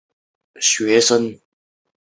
但是还是有光害